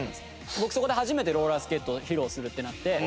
僕そこで初めてローラースケートを披露するってなって。